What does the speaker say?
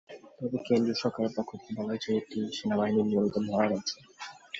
তবে কেন্দ্রীয় সরকারের পক্ষ থেকে বলা হয়েছে, এটি সেনাবাহিনীর নিয়মিত মহড়ার অংশ।